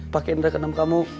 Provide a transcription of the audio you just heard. pak kendra kenam kamu